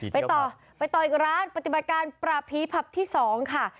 ไปต่อไปต่ออีกร้านปฏิบัติการปราบผีผับที่๒ค่ะ